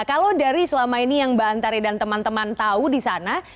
kalau dari selama ini yang mbak antari dan teman teman tahu di sana